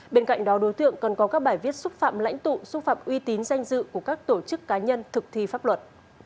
bên cạnh đó đối tượng còn có các bài viết xúc phạm lãnh tụ xúc phạm uy tín danh dự của các tổ chức cá nhân thực thi pháp luật